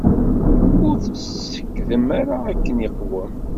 Ur tsekdem ara akken iqwem.